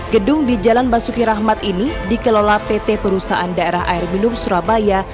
gedung di jalan basuki rahmat ini dikelola pt perusahaan daerah air minum surabaya